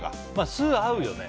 酢、合うよね。